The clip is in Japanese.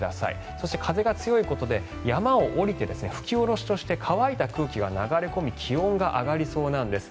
そして風が強いことで山を下りて、吹き下ろしとして乾いた空気が流れ込み気温が上がりそうなんです。